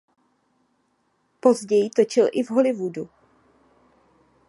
Později točil i v Hollywoodu.